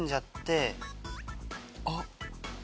あっ！